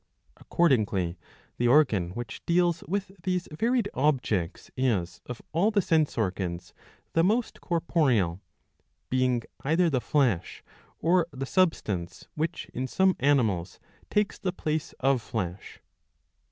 ^^ Accordingly the organ which deals with these varied objects is of all the sense organs 647 a. 22 11. I. — 11. 2 the most corporeal,'* being either the flesh, or the substance which in some animals takes the place of flesh.